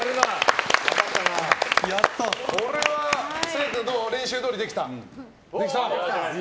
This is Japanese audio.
これは成君練習どおりできた？